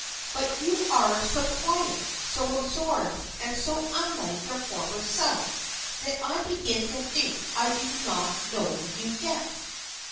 But you are so quiet, so absorbed, and so unlike your former self that I begin to think I do not know you yet."